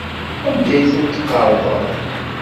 Anda ay tent-tqerḍeḍ?